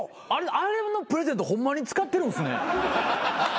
あれのプレゼントホンマに使ってるんすね。